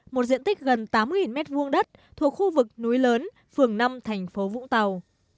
một diện tích gần tám m hai đất thuộc khu vực núi lớn phường năm thành phố vũng tàu